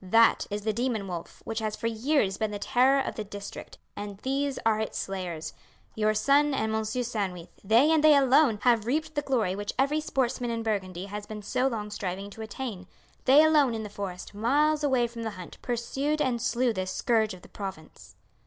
That is the demon wolf which has for years been the terror of the district, and these are its slayers. Your son and M. Sandwith, they, and they alone, have reaped the glory which every sportsman in Burgundy has been so long striving to attain; they alone in the forest, miles away from the hunt, pursued and slew this scourge of the province."